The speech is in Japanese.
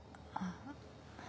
あっ。